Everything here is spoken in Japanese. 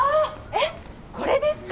えっこれですか？